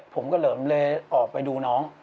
ผมก็เหลิมเลยออกไปดูน้อง